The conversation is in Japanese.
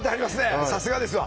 さすがですわ。